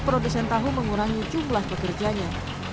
produsen tahu mengurangi jumlah pekerjanya